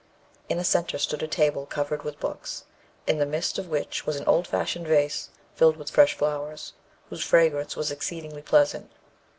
In the centre stood a table covered with books, in the midst of which was an old fashioned vase filled with fresh flowers, whose fragrance was exceedingly pleasant.